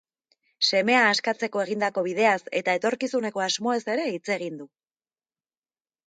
Semea askatzeko egindako bideaz eta etorkizuneko asmoez ere hitz egin du.